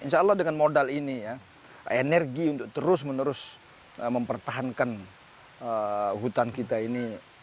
insya allah dengan modal ini ya energi untuk terus menerus mempertahankan hutan kita ini